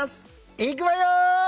いくわよ！